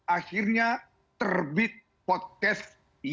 akhirnya terbit potes yang